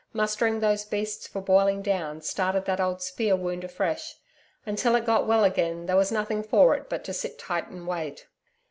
Mustering those beasts for boiling down started that old spear wound afresh. Until it got well again, there was nothing for it but to sit tight and wait.